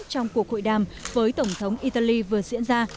trong cuộc hội đàm với tổng thống italy vừa diễn ra